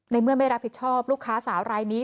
เมื่อไม่รับผิดชอบลูกค้าสาวรายนี้